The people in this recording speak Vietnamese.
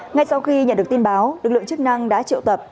ngay sau khi nhận được tin báo lực lượng chức năng đã triệu tập